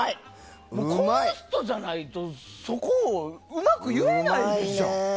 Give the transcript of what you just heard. この人じゃないとそこをうまく言えないでしょ。